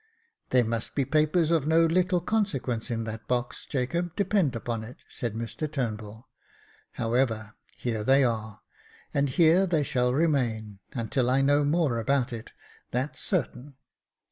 " There must be papers of no little consequence in that box, Jacob, depend upon it," said Mr Turnbull ;" how ever, here they are, and here they shall remain until I know more about it ; that's certain.